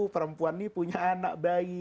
perempuan ini punya anak bayi